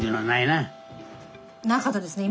なかったですね。